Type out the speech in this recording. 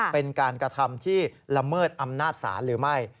เป็นการกระทำที่ละเมิดอำนาจศาลหรือไม่